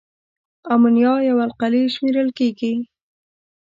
امونیا یوه القلي شمیرل کیږي.